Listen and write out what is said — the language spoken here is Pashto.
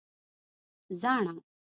🦩زاڼه